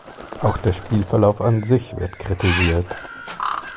Auch der Spielverlauf an sich wird kritisiert.